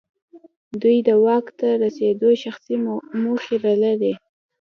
دوی د واک ته رسېدو شخصي موخې لرلې.